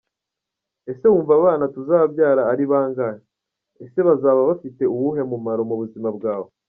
Ese wumva abana tuzabyara ari bangahe ? Ese bazaba bafite uwuhe mumaro mu buzima bwawe?.